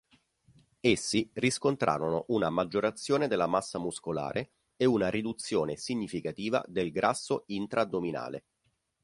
Essi riscontrarono una maggiorazione della massa muscolare, e una riduzione significativa del grasso intra-addominale.